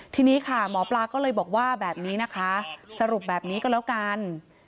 ทีนี้ค่ะหมอปลาก็เลยบอกว่าแบบนี้นะคะสรุปแบบนี้ก็แล้วกัน